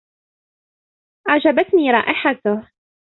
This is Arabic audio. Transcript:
أعجبتني رائحته.